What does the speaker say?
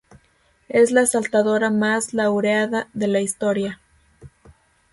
Es la saltadora más laureada de la historia.